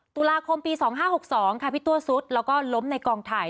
ตุลาคมปี๒๕๖๒ค่ะพี่ตัวซุดแล้วก็ล้มในกองถ่าย